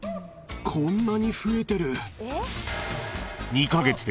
こんなに増えてる。